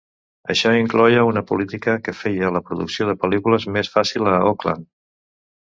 Això incloïa una política que feia la producció de pel·lícules més fàcil a Auckland.